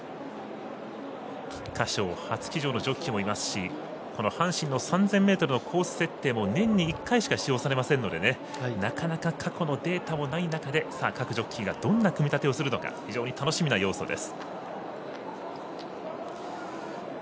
菊花賞初騎乗のジョッキーもいますしこの阪神の３０００ｍのコース設定も年に一回しか使用されませんのでなかなか過去のデータもない中で各ジョッキーがどんな組み立てをするのか非常に楽しみな要素です。